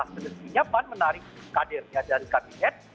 hanya pan menarik kadirnya dari kabinet